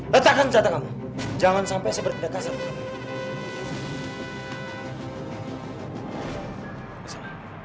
letakkan catanya jangan sampai saya berdekat sama kamu